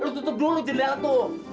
terus tutup dulu jendela tuh